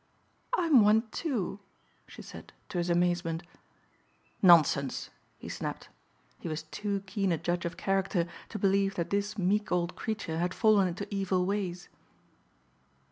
"I'm one, too," she said, to his amazement. "Nonsense!" he snapped. He was too keen a judge of character to believe that this meek old creature had fallen into evil ways.